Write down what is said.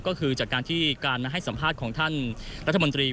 ก็คือจากการที่การมาให้สัมภาษณ์ของท่านรัฐมนตรี